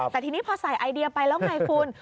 แต่ทีนี้พอใส่ไอเดียไปแล้วไงคุณ